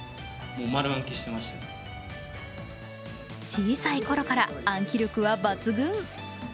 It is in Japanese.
小さいころから暗記力は抜群。